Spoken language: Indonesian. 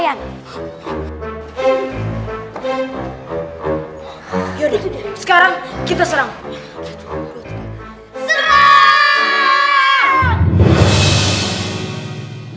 yaudah sekarang kita serang